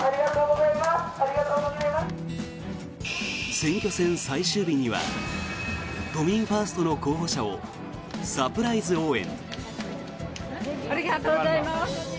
選挙戦最終日には都民ファーストの候補者をサプライズ応援。